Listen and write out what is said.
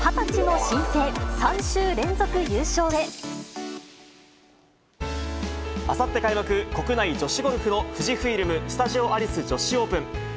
２０歳の新星、３週連続優勝あさって開幕、国内女子ゴルフの富士フイルム・スタジオアリス女子オープン。